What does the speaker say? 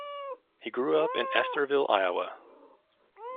He grew up in Estherville, Iowa.